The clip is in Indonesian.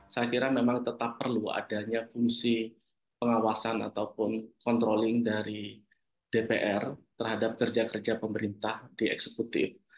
saya kira memang tetap perlu adanya fungsi pengawasan ataupun kontroling dari dpr terhadap kerja kerja pemerintah dieksekutif